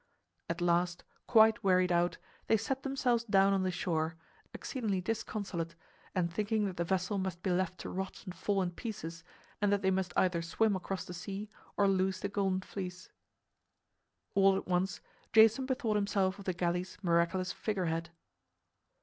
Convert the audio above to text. At last, quite wearied out, they sat themselves down on the shore, exceedingly disconsolate and thinking that the vessel must be left to rot and fall in pieces and that they must either swim across the sea or lose the Golden Fleece. All at once Jason bethought himself of the galley's miraculous figurehead.